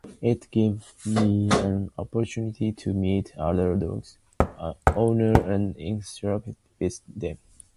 It gives me an opportunity to meet other dog owners and interact with them.